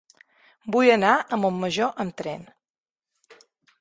Vull anar a Montmajor amb tren.